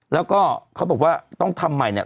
แล้วก็เขาบอกว่าต้องทำใหม่เนี่ย